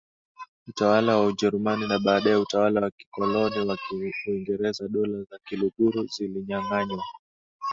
utawala wa Ujerumani na baadaye Utawala wa Kikoloni wa Uingereza Dola za Kiluguru zilinyanganywa